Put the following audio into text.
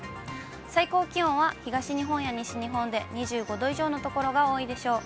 最高気温は東日本や西日本で２５度以上の所が多いでしょう。